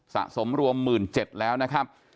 สะสมรวม๑๗๐๐แล้วนะครับ